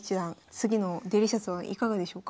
次のデリシャスはいかがでしょうか？